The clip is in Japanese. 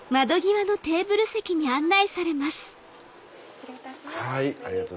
失礼いたします。